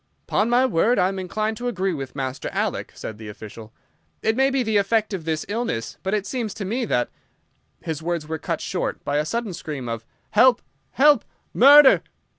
"'Pon my word, I am inclined to agree with Master Alec," said the official. "It may be the effect of this illness, but it seems to me that—" His words were cut short by a sudden scream of "Help! Help! Murder!"